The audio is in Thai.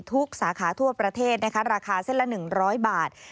ทุกสาขาทั่วประเทศราคาเส้นละ๑๐๐บาท